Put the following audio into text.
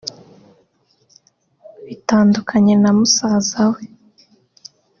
bitandukanye na musaza we